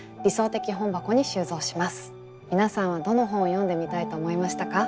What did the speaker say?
皆さんはどの本を読んでみたいと思いましたか？